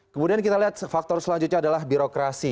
kemudian kita lihat faktor selanjutnya adalah birokrasi